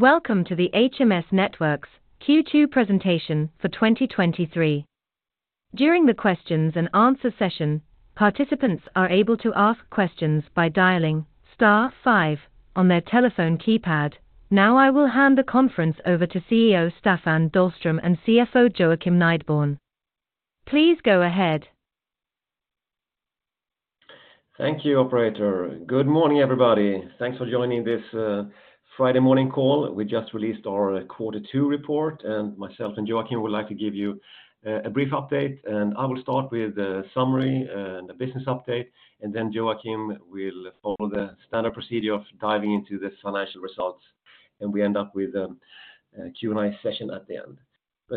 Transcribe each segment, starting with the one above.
Welcome to the HMS Networks's Q2 presentation for 2023. During the questions and answer session, participants are able to ask questions by dialing star five on their telephone keypad. Now, I will hand the conference over to CEO Staffan Dahlström; and CFO Joakim Nideborn. Please go ahead. Thank you, operator. Good morning, everybody. Thanks for joining this Friday morning call. We just released our quarter two report. Myself and Joakim Nideborn would like to give you a brief update. I will start with the summary and the business update. Joakim Nideborn will follow the standard procedure of diving into the financial results. We end up with a Q&A session at the end.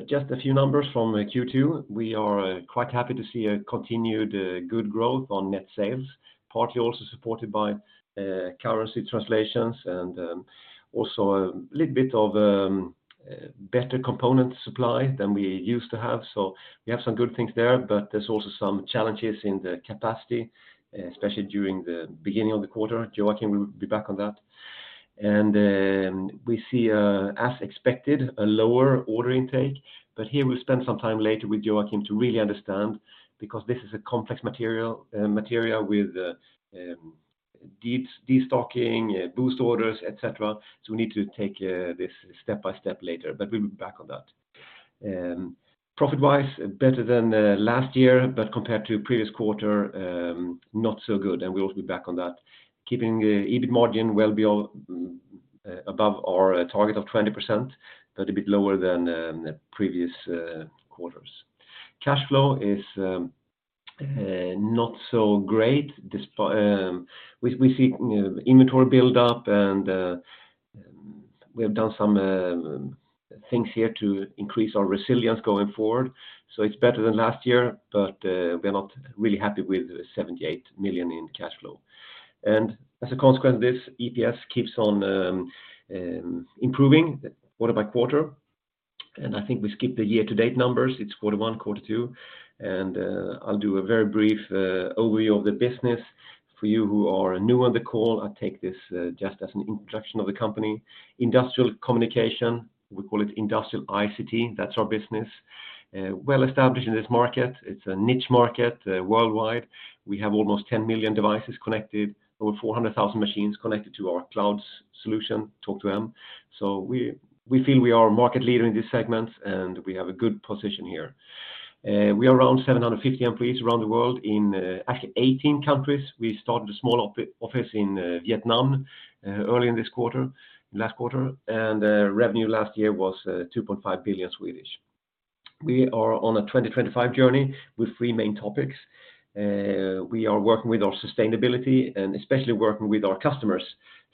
Just a few numbers from Q2, we are quite happy to see a continued good growth on net sales, partly also supported by currency translations and also a little bit of better component supply than we used to have. We have some good things there. There's also some challenges in the capacity, especially during the beginning of the quarter. Joakim Nideborn will be back on that. We see, as expected, a lower order intake, but here we'll spend some time later with Joakim Nideborn to really understand, because this is a complex material with de-destocking, boost orders, et cetera. We need to take this step by step later, but we'll be back on that. Profit-wise, better than last year, but compared to previous quarter, not so good, and we'll also be back on that. Keeping EBIT margin well beyond, above our target of 20%, but a bit lower than the previous quarters. Cash flow is not so great. We see inventory build up and we have done some things here to increase our resilience going forward. It's better than last year, but we're not really happy with 78 million in cash flow. As a consequence, this EPS keeps on improving quarter by quarter. I think we skip the year-to-date numbers. It's quarter one, quarter two. I'll do a very brief overview of the business. For you who are new on the call, I take this just as an introduction of the company. Industrial communication, we call it industrial ICT. That's our business. Well established in this market. It's a niche market worldwide. We have almost 10 million devices connected, over 400,000 machines connected to our cloud solution, Talk2m. We feel we are a market leader in this segment, and we have a good position here. We are around 750 employees around the world in actually 18 countries. We started a small office in Vietnam early in this quarter, last quarter, revenue last year was 2.5 billion. We are on a 2025 journey with three main topics. We are working with our sustainability and especially working with our customers'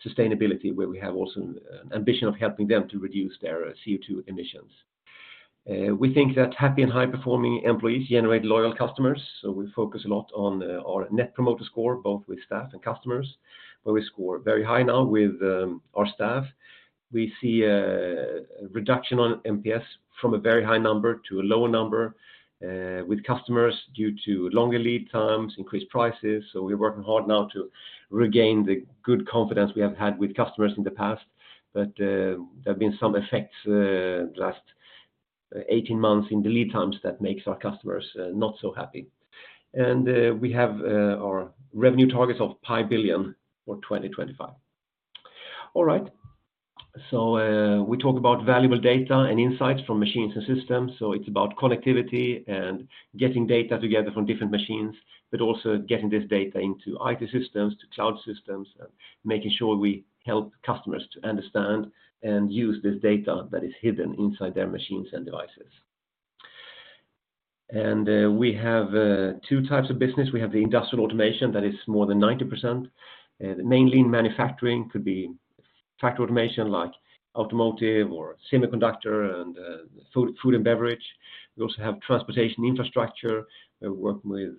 sustainability, where we have also an ambition of helping them to reduce their CO2 emissions. We think that happy and high-performing employees generate loyal customers, so we focus a lot on our net promoter score, both with staff and customers, where we score very high now with our staff. We see a reduction on NPS from a very high number to a lower number with customers due to longer lead times, increased prices. We're working hard now to regain the good confidence we have had with customers in the past, but there have been some effects the last 18 months in the lead times that makes our customers not so happy. We have our revenue targets of 5 billion for 2025. All right. We talk about valuable data and insights from machines and systems. It's about connectivity and getting data together from different machines, but also getting this data into IT systems, to cloud systems, and making sure we help customers to understand and use this data that is hidden inside their machines and devices. We have two types of business. We have the industrial automation that is more than 90%. The mainly in manufacturing could be factory automation like automotive or semiconductor and food and beverage. We also have transportation infrastructure. We work with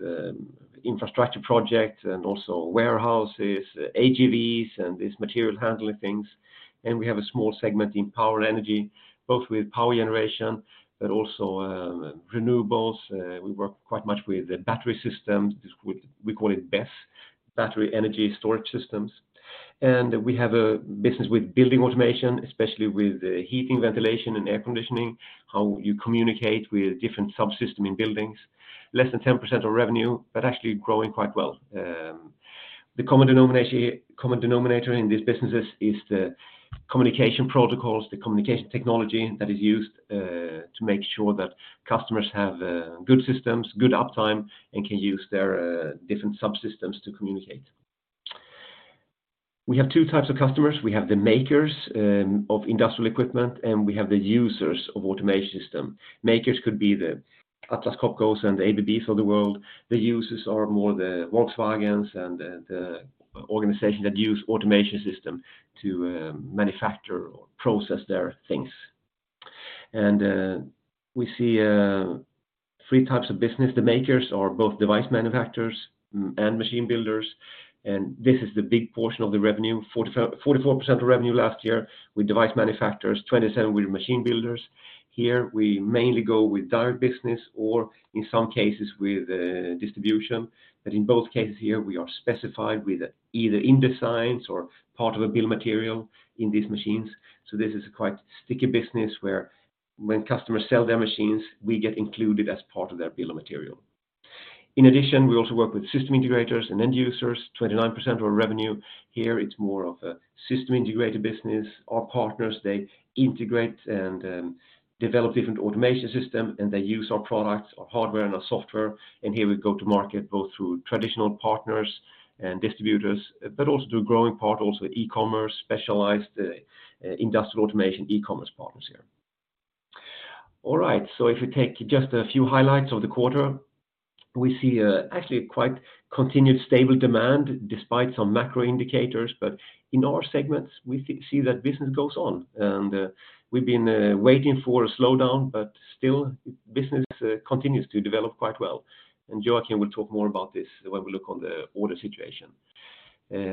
infrastructure projects and also warehouses, AGVs, and these material handling things. We have a small segment in power and energy, both with power generation, but also renewables. We work quite much with the battery system. We call it BESS, Battery Energy Storage Systems. We have a business with building automation, especially with heating, ventilation, and air conditioning, how you communicate with different subsystems in buildings. Less than 10% of revenue, but actually growing quite well. The common denominator in these businesses is the communication protocols, the communication technology that is used to make sure that customers have good systems, good uptime, and can use their different subsystems to communicate. We have two types of customers. We have the makers of industrial equipment, we have the users of automation system. Makers could be the Atlas Copco and the ABBs of the world. The users are more the Volkswagens and the organizations that use automation system to manufacture or process their things. We see three types of business. The makers are both device manufacturers and machine builders, and this is the big portion of the revenue, 44% of revenue last year with device manufacturers, 27 with machine builders. Here, we mainly go with direct business or in some cases with distribution, but in both cases here, we are specified with either in designs or part of a bill of material in these machines. This is a quite sticky business where when customers sell their machines, we get included as part of their bill of material. In addition, we also work with system integrators and end users, 29% of our revenue. Here, it's more of a system integrator business. Our partners, they integrate and develop different automation system, and they use our products, our hardware, and our software. Here we go to market, both through traditional partners and distributors, but also do a growing part, also with e-commerce, specialized industrial automation e-commerce partners here. If we take just a few highlights of the quarter, we see actually a quite continued stable demand, despite some macro indicators, but in our segments, we see that business goes on. We've been waiting for a slowdown, but still, business continues to develop quite well. Joakim Nideborn will talk more about this when we look on the order situation.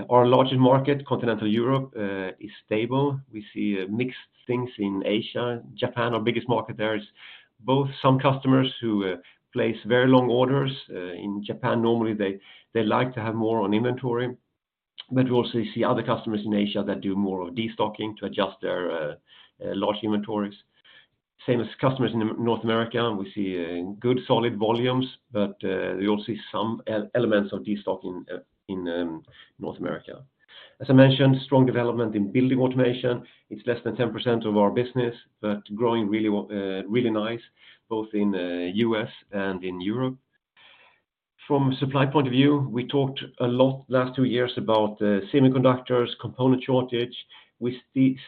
Our largest market, Continental Europe, is stable. We see mixed things in Asia. Japan, our biggest market there, is both some customers who place very long orders. In Japan, normally, they like to have more on inventory, but we also see other customers in Asia that do more of destocking to adjust their large inventories. Same as customers in North America, we see good solid volumes, but we also see some elements of destocking in North America. As I mentioned, strong development in building automation. It's less than 10% of our business, but growing really nice, both in U.S. and in Europe. From a supply point of view, we talked a lot the last two years about semiconductors, component shortage. We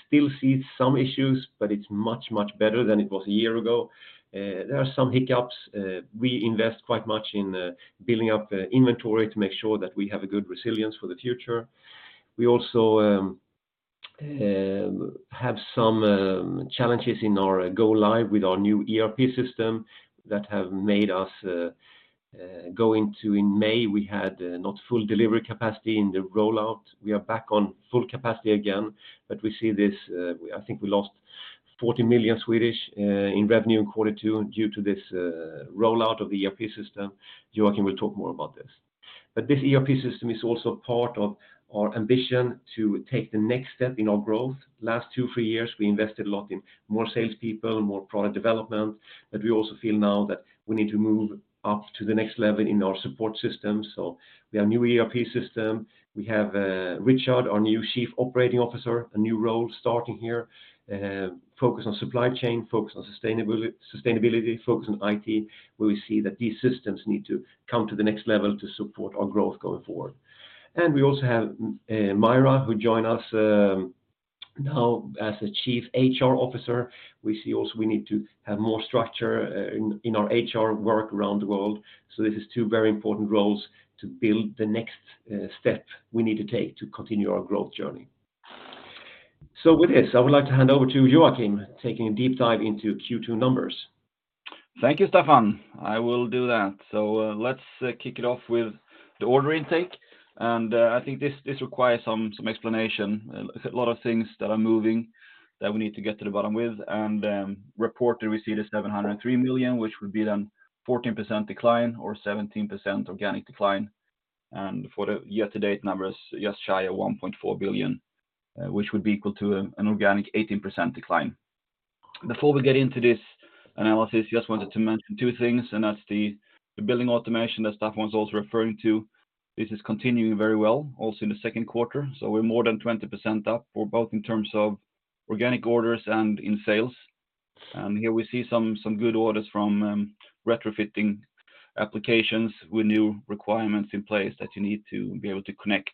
still see some issues. It's much, much better than it was a year ago. There are some hiccups. We invest quite much in building up the inventory to make sure that we have a good resilience for the future. We also have some challenges in our go live with our new ERP system that have made us. In May, we had not full delivery capacity in the rollout. We are back on full capacity again. We see this, I think we lost 40 million in revenue in Q2 due to this rollout of the ERP system. Joakim will talk more about this. This ERP system is also part of our ambition to take the next step in our growth. Last two, three years, we invested a lot in more salespeople, more product development. We also feel now that we need to move up to the next level in our support system. We have a new ERP system. We have Richard, our new Chief Operating Officer, a new role starting here, focus on supply chain, focus on sustainability, focus on IT, where we see that these systems need to come to the next level to support our growth going forward. We also have Mira, who joined us now as the Chief HR Officer. We see also we need to have more structure in our HR work around the world. This is two very important roles to build the next step we need to take to continue our growth journey. With this, I would like to hand over to Joakim, taking a deep dive into Q2 numbers. Thank you, Staffan. I will do that. Let's kick it off with the order intake, I think this requires some explanation. A lot of things that are moving that we need to get to the bottom with. Report that we see the 703 million, which would be then 14% decline or 17% organic decline. For the year-to-date numbers, just shy of 1.4 billion, which would be equal to an organic 18% decline. Before we get into this analysis, just wanted to mention two things, and that's the building automation that Staffan was also referring to. This is continuing very well, also in the second quarter, we're more than 20% up, for both in terms of organic orders and in sales. Here we see some good orders from retrofitting applications with new requirements in place that you need to be able to connect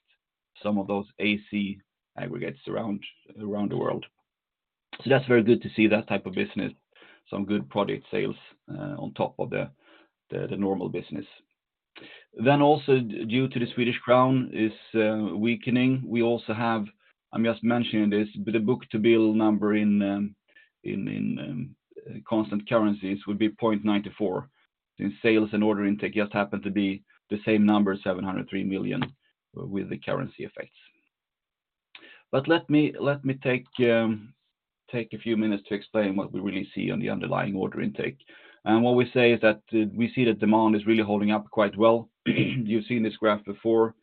some of those AC aggregators around the world. That's very good to see that type of business, some good product sales on top of the normal business. Also, due to the Swedish crown is weakening, we also have, I'm just mentioning this, but the book-to-bill number in constant currencies would be 0.94. In sales and order intake, just happened to be the same number, 703 million, with the currency effects. Let me take a few minutes to explain what we really see on the underlying order intake. What we say is that we see that demand is really holding up quite well. You've seen this graph before.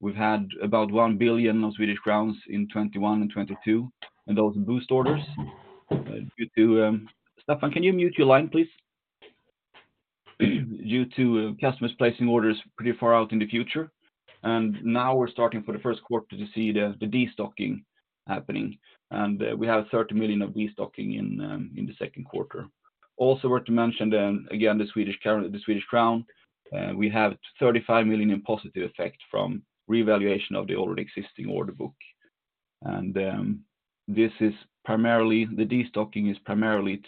We've had about 1 billion in 2021 and 2022. Those boost orders. Staffan, can you mute your line, please? Due to customers placing orders pretty far out in the future. Now we're starting for the first quarter to see the destocking happening, we have 30 million of destocking in the second quarter. Also, worth to mention, then, again, the Swedish crown, we have 35 million in positive effect from revaluation of the already existing order book. This is primarily, the destocking is primarily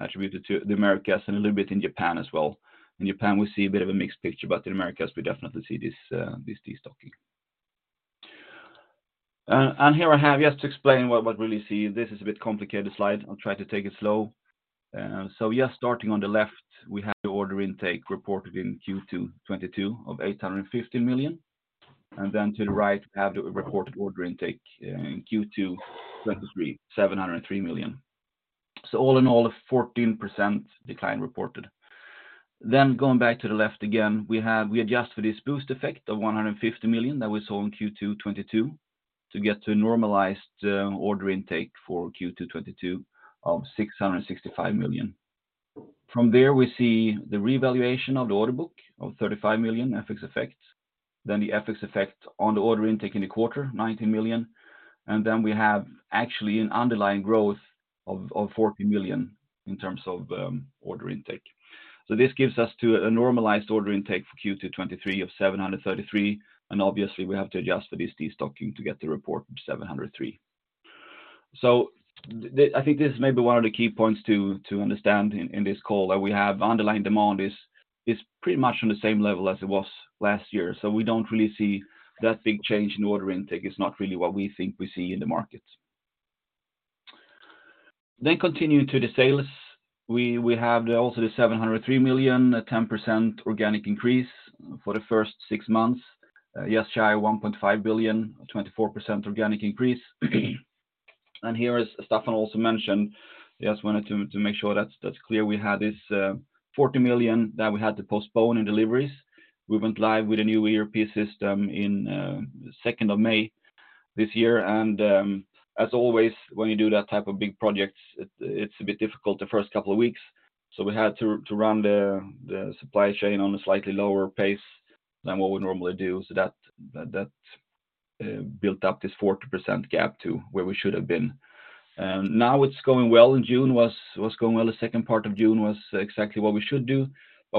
attributed to the Americas and a little bit in Japan as well. In Japan, we see a bit of a mixed picture, but in the Americas, we definitely see this destocking. Here I have, just to explain what we really see, this is a bit complicated slide. I'll try to take it slow. Just starting on the left, we have the order intake reported in Q2 2022 of 850 million. To the right, we have the reported order intake in Q2 2023, 703 million. All in all, a 14% decline reported. Going back to the left again, we adjust for this boost effect of 150 million that we saw in Q2 2022 to get to a normalized order intake for Q2 2022 of 665 million. We see the revaluation of the order book of 35 million FX effects. The FX effect on the order intake in the quarter, 90 million. We have actually an underlying growth of 40 million in terms of order intake. This gives us to a normalized order intake for Q2 2023 of 733 million. Obviously, we have to adjust for this destocking to get the report of 703 million. I think this is maybe one of the key points to understand in this call, that we have underlying demand is pretty much on the same level as it was last year. We don't really see that big change in order intake is not really what we think we see in the market. Continue to the sales. We have the also the 703 million, a 10% organic increase for the first six months. Just shy of 1.5 billion, 24% organic increase. Here, as Staffan Dahlström also mentioned, just wanted to make sure that's clear, we had this 40 million that we had to postpone in deliveries. We went live with a new ERP system in second of May this year, as always, when you do that type of big projects, it's a bit difficult the first couple of weeks. We had to run the supply chain on a slightly lower pace than what we normally do. That built up this 40% gap to where we should have been. Now it's going well, in June was going well. The second part of June was exactly what we should do.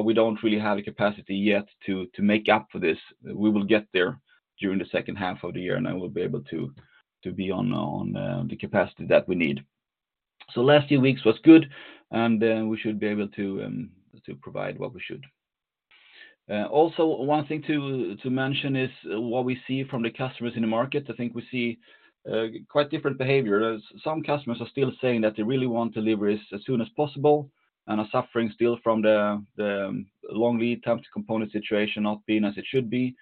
We don't really have the capacity yet to make up for this. We will get there during the second half of the year, and I will be able to be on the capacity that we need. Last few weeks was good, and we should be able to provide what we should. One thing to mention is what we see from the customers in the market. I think we see quite different behavior. Some customers are still saying that they really want deliveries as soon as possible and are suffering still from the long lead time to component situation not being as it should be.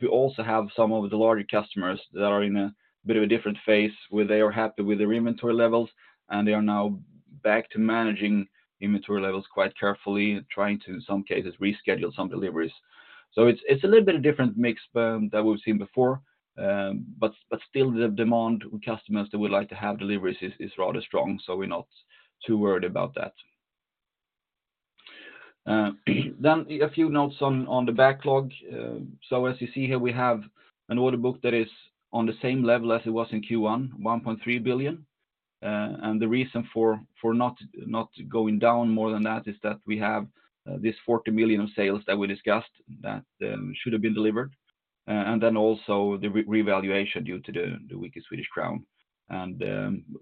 We also have some of the larger customers that are in a bit of a different phase, where they are happy with their inventory levels, and they are now back to managing inventory levels quite carefully, trying to, in some cases, reschedule some deliveries. It's a little bit of different mix than we've seen before, but still, the demand with customers that would like to have deliveries is rather strong, so we're not too worried about that. A few notes on the backlog. As you see here, we have an order book that is on the same level as it was in Q1, 1.3 billion. The reason for not going down more than that is that we have this 40 million of sales that we discussed that should have been delivered, and then also the revaluation due to the weaker Swedish crown.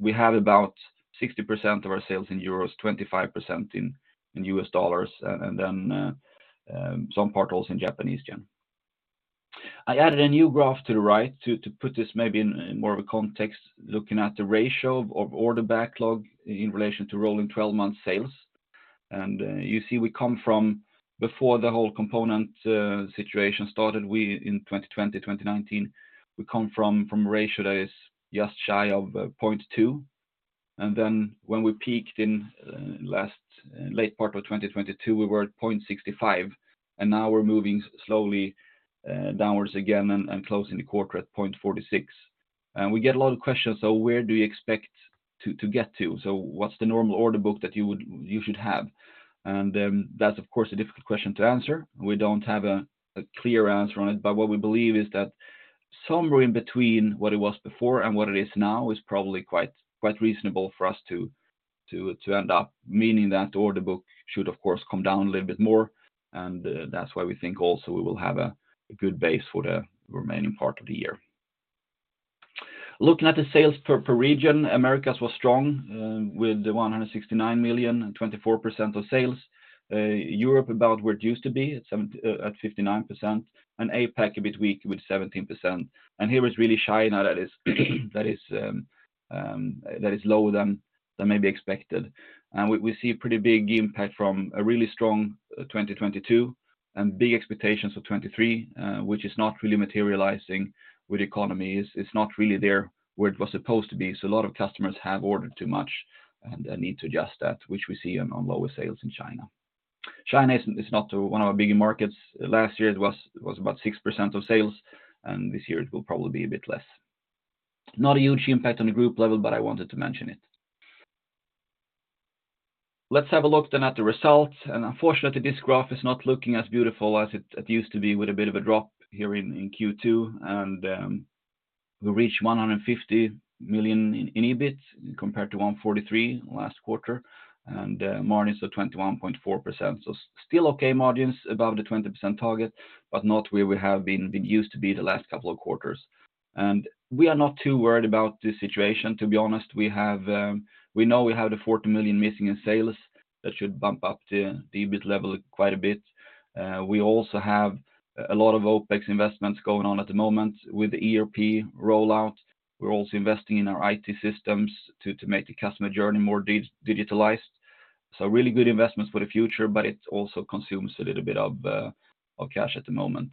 We have about 60% of our sales in euros, 25% in U.S. dollars, and then some part also in Japanese yen. I added a new graph to the right to put this maybe in more of a context, looking at the ratio of order backlog in relation to rolling 12-month sales. You see, we come from before the whole component situation started, we in 2020, 2019, we come from a ratio that is just shy of 0.2. When we peaked in last, late part of 2022, we were at 0.65, and now we're moving slowly downwards again and closing the quarter at 0.46. We get a lot of questions, so where do you expect to get to? What's the normal order book that you should have? That's of course, a difficult question to answer. We don't have a clear answer on it, but what we believe is that somewhere in between what it was before and what it is now, is probably quite reasonable for us to end up, meaning that the order book should, of course, come down a little bit more, and that's why we think also we will have a good base for the remaining part of the year. Looking at the sales per region, Americas was strong, with 169 million, and 24% of sales. Europe, about where it used to be, at 59%, and APAC, a bit weak with 17%. Here is really China that is lower than maybe expected. We see a pretty big impact from a really strong, 2022 and big expectations of 2023, which is not really materializing with economies. It's not really there where it was supposed to be. A lot of customers have ordered too much and, need to adjust that, which we see on lower sales in China. China is not one of our bigger markets. Last year, it was about 6% of sales, and this year it will probably be a bit less. Not a huge impact on the group level, but I wanted to mention it. Let's have a look then at the results. Unfortunately, this graph is not looking as beautiful as it used to be with a bit of a drop here in Q2. We reached 150 million in EBIT compared to 143 last quarter. Margins are 21.4%. Still okay margins above the 20% target, but not where we have been used to be the last couple of quarters. We are not too worried about this situation, to be honest. We have. We know we have the 40 million missing in sales that should bump up the EBIT level quite a bit. We also have a lot of OpEx investments going on at the moment with the ERP rollout. We're also investing in our IT systems to make the customer journey more digitalized. Really good investments for the future, but it also consumes a little bit of cash at the moment.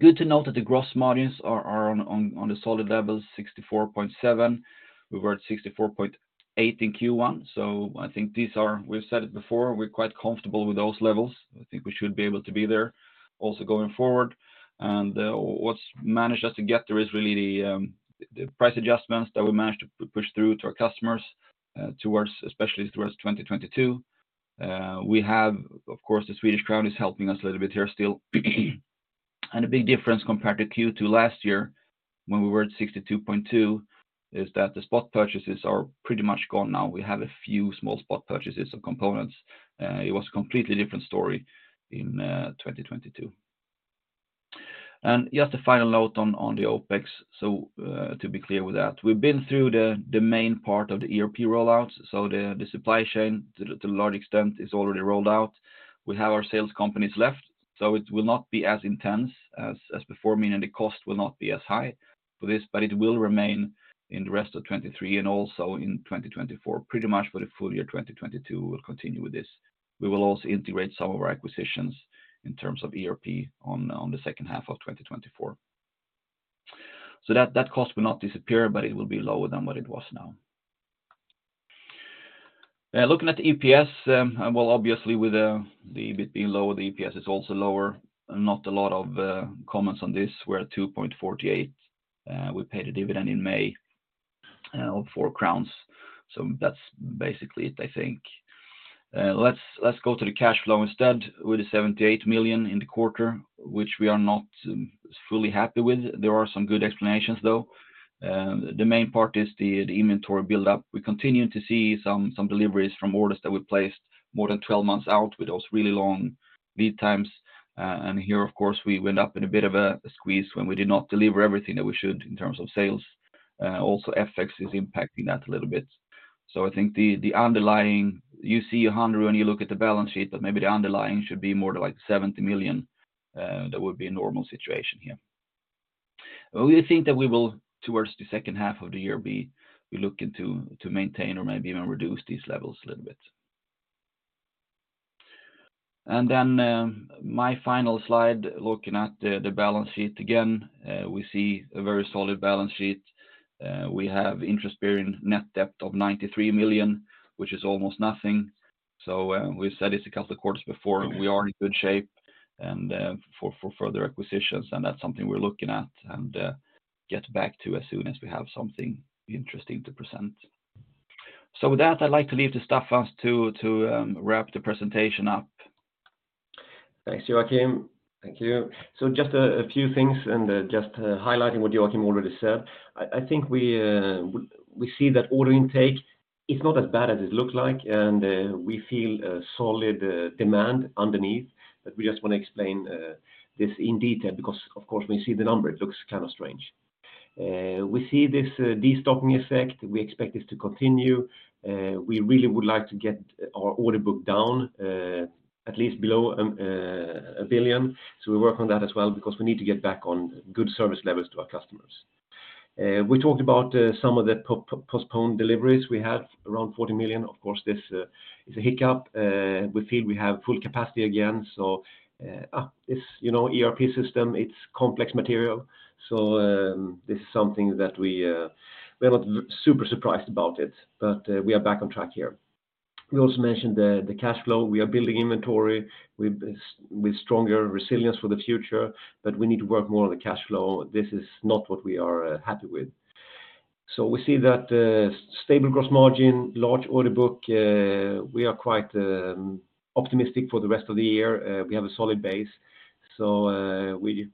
Good to note that the gross margins are on the solid levels, 64.7%. We were at 64.8% in Q1. I think these are, we've said it before, we're quite comfortable with those levels. I think we should be able to be there also going forward. What's managed us to get there is really the price adjustments that we managed to push through to our customers, especially towards 2022. We have, of course, the Swedish crown is helping us a little bit here still. A big difference compared to Q2 last year, when we were at 62.2, is that the spot purchases are pretty much gone now. We have a few small spot purchases of components. It was a completely different story in 2022. Just a final note on the OpEx. To be clear with that, we've been through the main part of the ERP rollout, so the supply chain, to a large extent, is already rolled out. We have our sales companies left, it will not be as intense as before, meaning the cost will not be as high for this, but it will remain in the rest of 2023 and also in 2024. Pretty much for the full year 2022, we'll continue with this. We will also integrate some of our acquisitions in terms of ERP on the second half of 2024. That cost will not disappear, but it will be lower than what it was now. Looking at the EPS, well, obviously with the EBIT being lower, the EPS is also lower, and not a lot of comments on this. We're at SEK 2.48. We paid a dividend in May of 4 crowns. That's basically it, I think. Let's go to the cash flow instead, with 78 million in the quarter, which we are not fully happy with. There are some good explanations, though. The main part is the inventory build up. We continue to see some deliveries from orders that we placed more than 12 months out with those really long lead times. Here, of course, we went up in a bit of a squeeze when we did not deliver everything that we should in terms of sales. Also, FX is impacting that a little bit. So I think the underlying. You see 100 million when you look at the balance sheet, but maybe the underlying should be more to like 70 million that would be a normal situation here. We think that we will, towards the second half of the year, be looking to maintain or maybe even reduce these levels a little bit. Then, my final slide, looking at the balance sheet again, we see a very solid balance sheet. We have interest bearing net debt of 93 million, which is almost nothing. We said it a couple of quarters before, we are in good shape for further acquisitions, and that's something we're looking at, and get back to as soon as we have something interesting to present. With that, I'd like to leave to Staffan to wrap the presentation up. Thanks, Joakim. Thank you. Just a few things, and just highlighting what Joakim already said. I think we see that order intake is not as bad as it looked like, and we feel a solid demand underneath. We just want to explain this in detail, because, of course, when you see the number, it looks kind of strange. We see this de-stocking effect. We expect this to continue. We really would like to get our order book down, at least below 1 billion. We work on that as well, because we need to get back on good service levels to our customers. We talked about some of the postponed deliveries. We had around 40 million. Of course, this is a hiccup. We feel we have full capacity again, so, you know, ERP system, it's complex material. This is something that we are not super surprised about it, but we are back on track here. We also mentioned the cash flow. We are building inventory with stronger resilience for the future, but we need to work more on the cash flow. This is not what we are happy with. We see that stable gross margin, large order book. We are quite optimistic for the rest of the year. We have a solid base, so we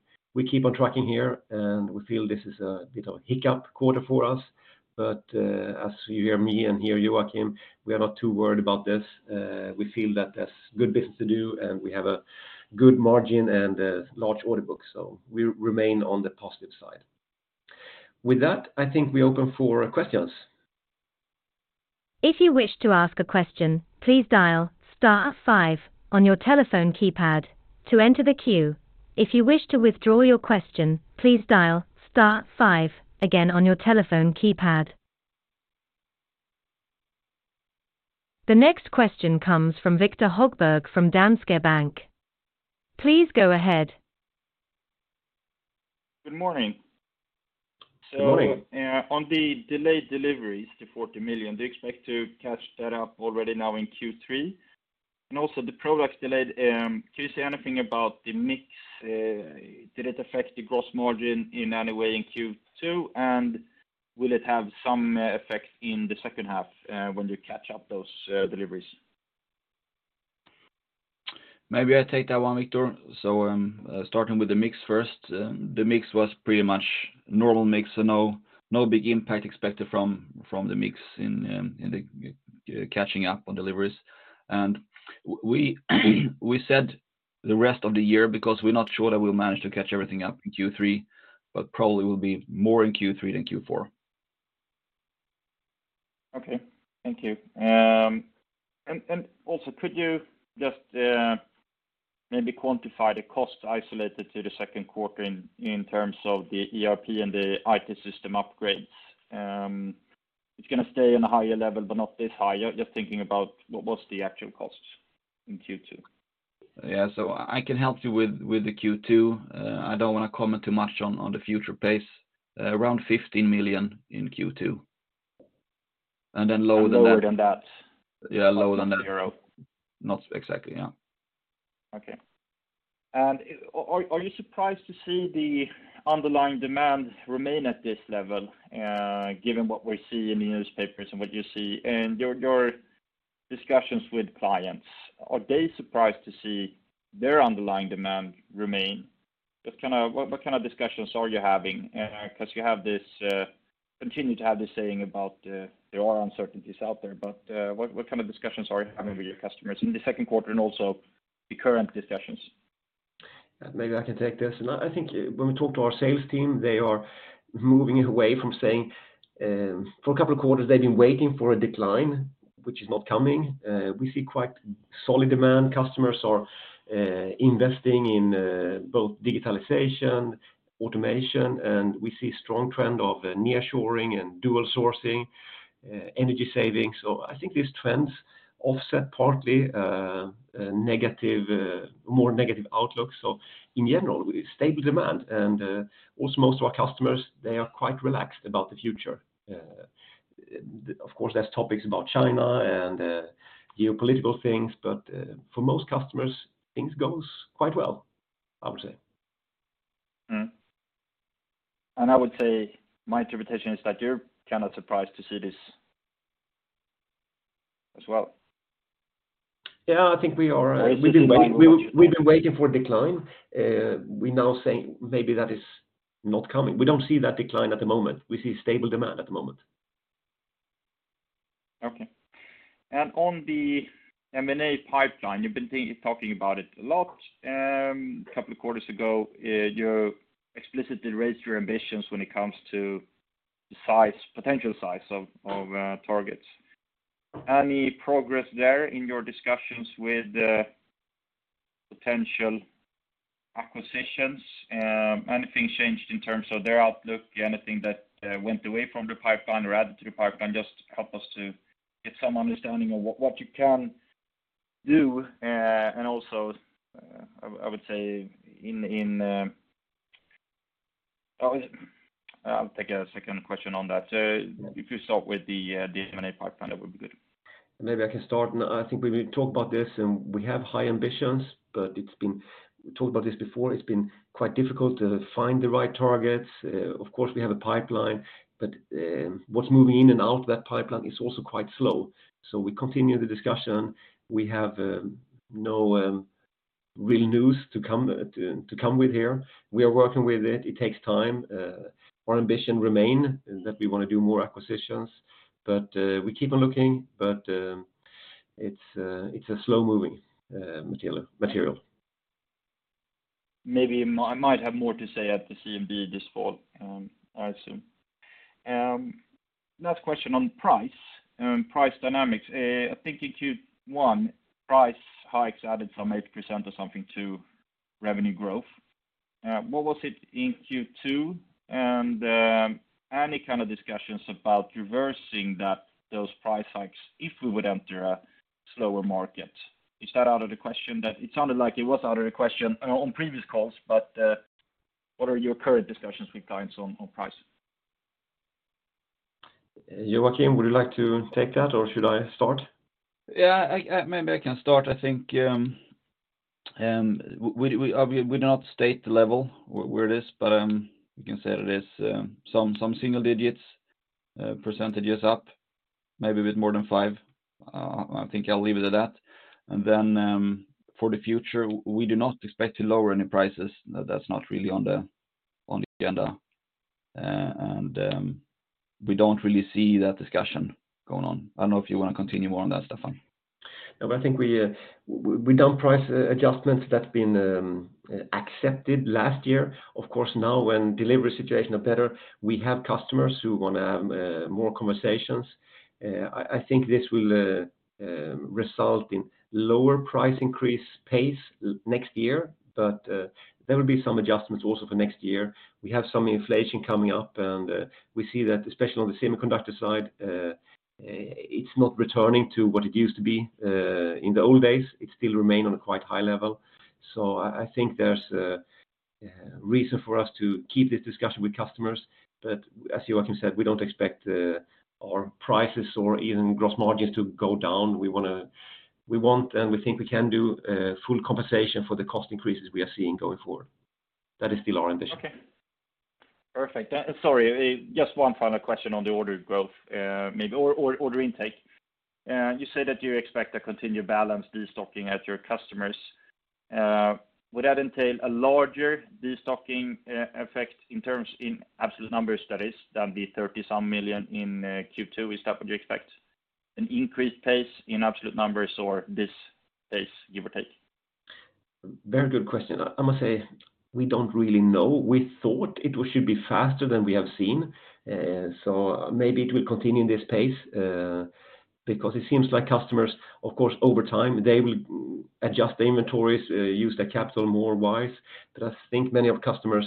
keep on tracking here, and we feel this is a bit of a hiccup quarter for us. As you hear me and hear Joakim, we are not too worried about this. We feel that there's good business to do, and we have a good margin and a large order book, so we remain on the positive side. With that, I think we open for questions. If you wish to ask a question, please dial star five on your telephone keypad to enter the queue. If you wish to withdraw your question, please dial star five again on your telephone keypad. The next question comes from Viktor Högberg from Danske Bank. Please go ahead. Good morning. Good morning. On the delayed deliveries to 40 million, do you expect to catch that up already now in Q3? Also the products delayed, can you say anything about the mix? Did it affect the gross margin in any way in Q2? Will it have some effect in the second half when you catch up those deliveries? Maybe I take that one, Viktor. Starting with the mix first. The mix was pretty much normal mix, so no big impact expected from the mix in the catching up on deliveries. We said the rest of the year, because we're not sure that we'll manage to catch everything up in Q3, but probably will be more in Q3 than Q4. Okay. Thank you. Also, could you just maybe quantify the cost isolated to the second quarter in terms of the ERP and the IT system upgrades? It's going to stay on a higher level, but not this high. Just thinking about what was the actual cost in Q2. I can help you with the Q2. I don't want to comment too much on the future pace. Around 15 million in Q2, and then lower than that. Lower than that? Yeah, lower than that. Zero. Not exactly, yeah. Okay. Are you surprised to see the underlying demand remain at this level, given what we see in the newspapers and what you see? Your discussions with clients, are they surprised to see their underlying demand remain? Just kind of what kind of discussions are you having? Because you have this, continue to have this saying about, there are uncertainties out there, but what kind of discussions are you having with your customers in the second quarter and also the current discussions? Maybe I can take this. I think when we talk to our sales team, they are moving away from saying, for a couple of quarters, they've been waiting for a decline, which is not coming. We see quite solid demand. Customers are investing in both digitalization, automation, and we see a strong trend of nearshoring and dual sourcing, energy savings. I think these trends offset partly a negative, more negative outlook. In general, stable demand, and also most of our customers, they are quite relaxed about the future. Of course, there's topics about China and geopolitical things, but for most customers, things goes quite well, I would say. I would say my interpretation is that you're kind of surprised to see this as well. Yeah, I think we are. We've been waiting on. We've been waiting for a decline. We now saying maybe that is not coming. We don't see that decline at the moment. We see stable demand at the moment. Okay. On the M&A pipeline, you've been thinking, talking about it a lot. A couple of quarters ago, you explicitly raised your ambitions when it comes to the size, potential size of targets. Any progress there in your discussions with the potential acquisitions? Anything changed in terms of their outlook? Anything that went away from the pipeline or added to the pipeline? Just help us to get some understanding of what you can do. Also, I'll take a second question on that. If you start with the M&A pipeline, that would be good. Maybe I can start. I think we will talk about this, and we have high ambitions, but it's been talked about this before, it's been quite difficult to find the right targets. Of course, we have a pipeline, but what's moving in and out of that pipeline is also quite slow. We continue the discussion. We have no real news to come with here. We are working with it. It takes time. Our ambition remain that we want to do more acquisitions, but we keep on looking, but it's a slow-moving material. Maybe I might have more to say at the CMD this fall, I assume. Last question on price dynamics. I think in Q1, price hikes added some 8% or something to revenue growth. What was it in Q2? Any kind of discussions about reversing that, those price hikes if we would enter a slower market? Is that out of the question that it sounded like it was out of the question, on previous calls? What are your current discussions with clients on price? Joakim, would you like to take that, or should I start? Yeah, I maybe I can start. I think we not state the level where it is, but we can say it is some single digits percentages up, maybe a bit more than 5%. I think I'll leave it at that. Then, for the future, we do not expect to lower any prices. That's not really on the agenda. We don't really see that discussion going on. I don't know if you want to continue more on that, Staffan. No, I think we done price adjustments that's been accepted last year. Of course, now, when delivery situation are better, we have customers who want to have more conversations. I think this will result in lower price increase pace next year, but there will be some adjustments also for next year. We have some inflation coming up, and we see that, especially on the semiconductor side, it's not returning to what it used to be in the old days. It still remain on a quite high level. So I think there's a reason for us to keep this discussion with customers. But as Joakim Nideborn said, we don't expect our prices or even gross margins to go down. We want, and we think we can do, full compensation for the cost increases we are seeing going forward. That is still our ambition. Okay. Perfect. Sorry, just one final question on the order growth, maybe, or order intake. You said that you expect a continued balanced destocking at your customers. Would that entail a larger destocking effect in terms in absolute numbers, that is, than the 30 some million in Q2? Is that what you expect, an increased pace in absolute numbers or this pace, give or take? Very good question. I must say we don't really know. We thought it should be faster than we have seen, so maybe it will continue in this pace, because it seems like customers, of course, over time, they will adjust the inventories, use their capital more wise. I think many of customers,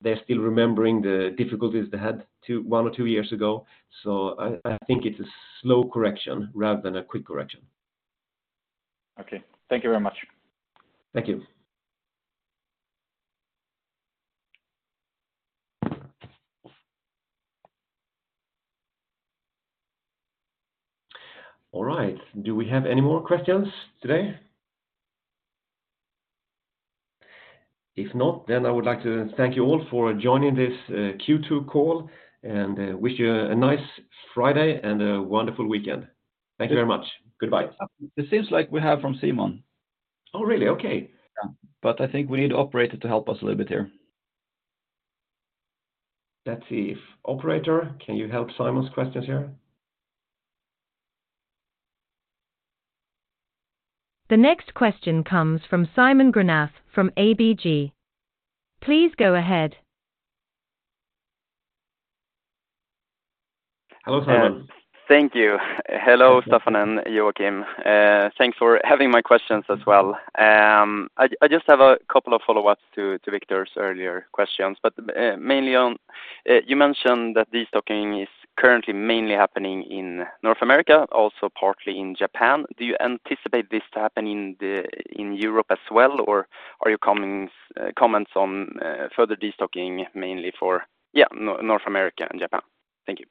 they're still remembering the difficulties they had two, one or two years ago. I think it's a slow correction rather than a quick correction. Okay. Thank you very much. Thank you. All right. Do we have any more questions today? If not, I would like to thank you all for joining this Q2 call, and wish you a nice Friday and a wonderful weekend. Thank you very much. Goodbye. It seems like we have from Simon. Oh, really? Okay. Yeah. I think we need the operator to help us a little bit here. Let's see if, operator, can you help Simon's questions here? The next question comes from Simon Granath, from ABG. Please go ahead. Hello, Simon. Thank you. Hello, Staffan and Joakim. Thanks for having my questions as well. I just have a couple of follow-ups to Victor's earlier questions, but mainly on, you mentioned that destocking is currently mainly happening in North America, also partly in Japan. Do you anticipate this to happen in Europe as well, or are your comments on further destocking mainly for North America and Japan? Thank you.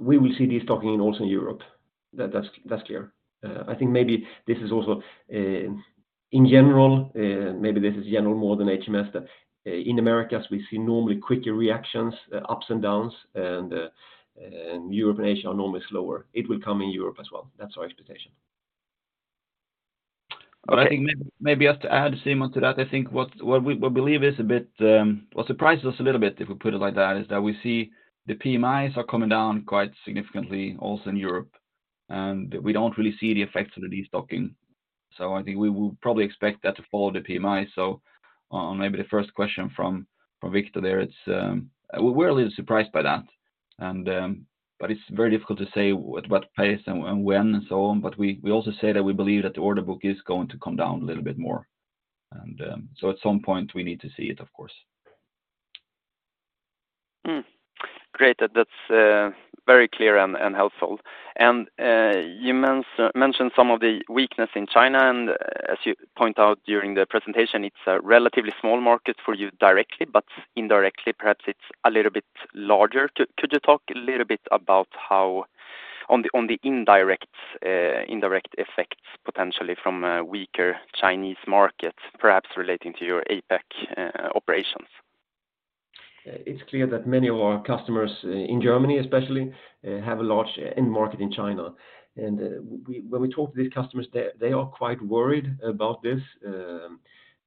We will see destocking also in Europe. That's clear. I think maybe this is also in general, maybe this is general more than HMS, that in Americas, we see normally quicker reactions, ups and downs, and Europe and Asia are normally slower. It will come in Europe as well. That's our expectation. I think maybe just to add, Simon, to that. What surprises us a little bit, if we put it like that, is that we see the PMIs are coming down quite significantly, also in Europe, and we don't really see the effects of the destocking. I think we will probably expect that to follow the PMI. On maybe the first question from Viktor there, it's, we're a little surprised by that. But it's very difficult to say at what pace and when, and so on. We also say that we believe that the order book is going to come down a little bit more. At some point, we need to see it, of course. Great, that's very clear and helpful. You mentioned some of the weakness in China, and as you point out during the presentation, it's a relatively small market for you directly, but indirectly, perhaps it's a little bit larger. Could you talk a little bit about how on the indirect effects, potentially from a weaker Chinese market, perhaps relating to your APAC operations? It's clear that many of our customers, in Germany especially, have a large end market in China. We, when we talk to these customers, they are quite worried about this,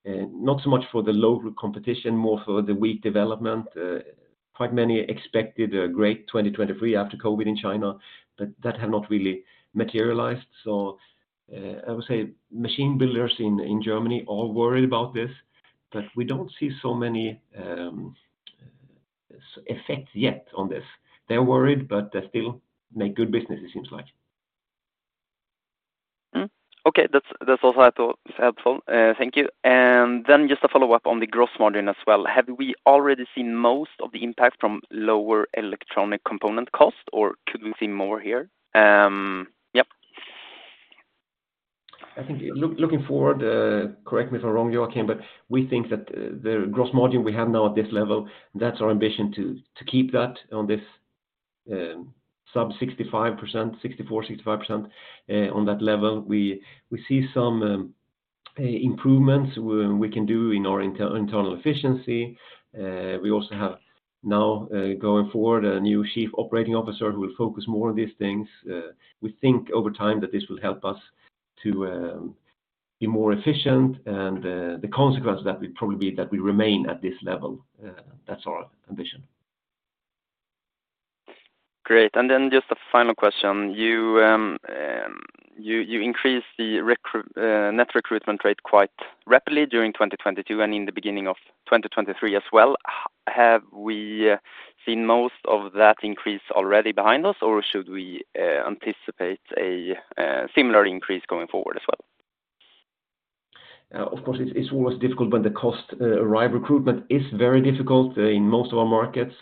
not so much for the low competition, more for the weak development. Quite many expected a great 2023 after COVID in China, but that have not really materialized. I would say machine builders in Germany are worried about this, but we don't see so many effects yet on this. They're worried, but they still make good business, it seems like. Okay, that's also, I thought, is helpful. Thank you. Just a follow-up on the gross margin as well. Have we already seen most of the impact from lower electronic component cost, or could we see more here? Yep. I think looking forward, correct me if I'm wrong, Joakim, but we think that the gross margin we have now at this level, that's our ambition, to keep that on this sub 65%, 64%-65% on that level. We see some improvements we can do in our internal efficiency. We also have now going forward, a new Chief Operating Officer who will focus more on these things. We think over time that this will help us to be more efficient, and the consequence of that would probably be that we remain at this level. That's our ambition. Great. Just a final question: You increased the net recruitment rate quite rapidly during 2022 and in the beginning of 2023 as well. Have we seen most of that increase already behind us, or should we anticipate a similar increase going forward as well? Of course, it's always difficult when the cost arrive. Recruitment is very difficult in most of our markets,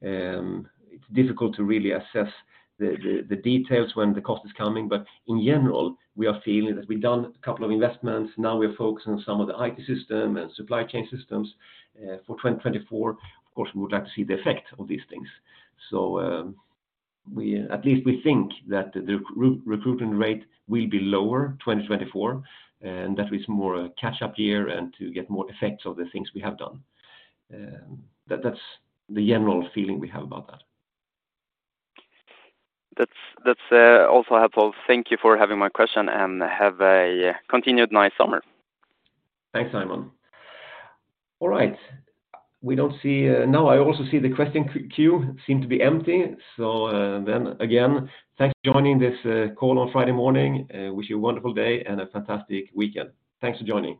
it's difficult to really assess the details when the cost is coming. In general, we are feeling that we've done a couple of investments. Now we're focused on some of the IT system and supply chain systems for 2024. Of course, we would like to see the effect of these things. We at least we think that the recruitment rate will be lower 2024, and that is more a catch-up year and to get more effects of the things we have done. That's the general feeling we have about that. That's also helpful. Thank you for having my question. Have a continued nice summer. Thanks, Simon. All right. We don't see, now I also see the question queue seem to be empty. Then again, thank you for joining this call on Friday morning. Wish you a wonderful day and a fantastic weekend. Thanks for joining.